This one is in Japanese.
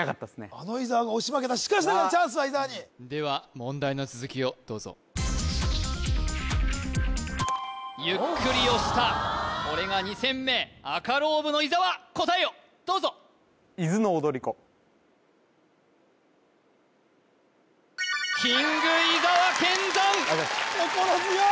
あの伊沢が押し負けたしかしながらチャンスは伊沢にでは問題の続きをどうぞゆっくり押したこれが２戦目赤ローブの伊沢答えをどうぞありがとうございます心強い！